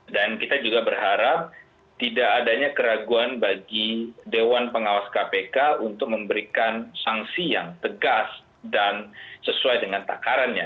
dan kita juga berharap tidak adanya keraguan bagi dewan pengawas kpk untuk memberikan sanksi yang tegas dan sesuai dengan takarannya